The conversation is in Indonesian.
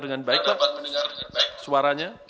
dengan baik pak suaranya